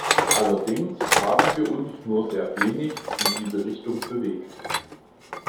Allerdings haben wir uns nur sehr wenig in diese Richtung bewegt.